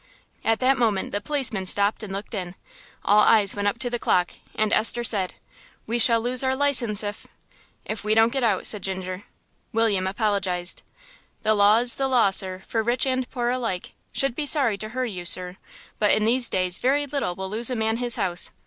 At that moment the policeman stopped and looked in. All eyes went up to the clock, and Esther said, "We shall lose our licence if " "If we don't get out," said Ginger. William apologised. "The law is the law, sir, for rich and poor alike; should be sorry to hurry you, sir, but in these days very little will lose a man his house.